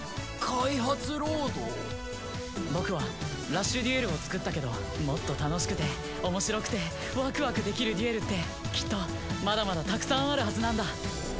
僕はラッシュデュエルを作ったけどもっと楽しくておもしろくてワクワクできるデュエルってきっとまだまだたくさんあるはずなんだ。